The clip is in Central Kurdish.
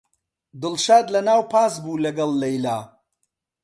دڵشاد لەناو پاس بوو لەگەڵ لەیلا.